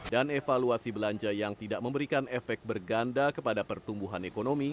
dan evaluasi belanja yang tidak memberikan efek berganda kepada pertumbuhan ekonomi